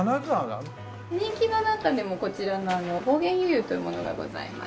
人気の中でもこちらの方言遊々というものがございまして。